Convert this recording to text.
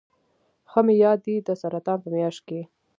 ښه مې یاد دي د سرطان په میاشت کې.